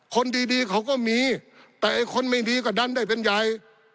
คนดีเขาก็มีแต่ไอ้คนไม่ดีก็ดันได้เป็นใหญ่